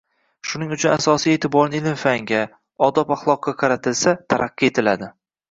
Shuning uchun asosiy e’tiborni ilm-fanga, odob-axloqqa qaratilsa, taraqqiy etiladi.